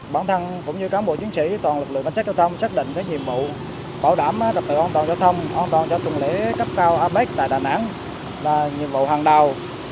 bản thân cũng như các bộ chiến sĩ toàn lực lượng quan trọng giao thông chắc định với nhiệm vụ bảo đảm gặp tựa an toàn giao thông an toàn cho tuần lễ cấp cao apec tại đà nẵng là nhiệm vụ hàng đào